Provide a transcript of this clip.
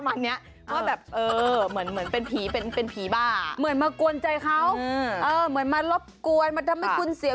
มันแปรได้ประมาณนี้